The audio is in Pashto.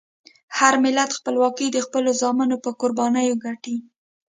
هر ملت خپلواکي د خپلو زامنو په قربانیو ګټي.